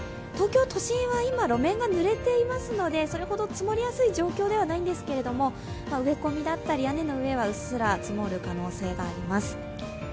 東京都心は今、路面がぬれていますのでそれほど積もりやすい状況ではないんですけれども、植え込みだったり屋根の上はうっすら積もる可能性があります。